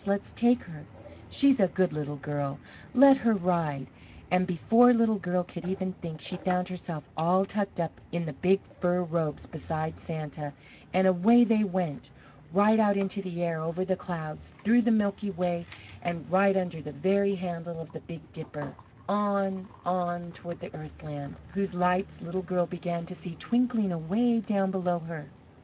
let's take her! She's a good Little Girl! Let her ride!" And before Little Girl could even think, she found herself all tucked up in the big fur robes beside Santa, and away they went, right out into the air, over the clouds, through the Milky Way, and right under the very handle of the Big Dipper, on, on, toward the Earthland, whose lights Little Girl began to see twinkling away down below her.